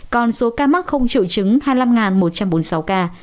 còn số ca mắc không triệu chứng hai mươi năm một trăm bốn mươi sáu ca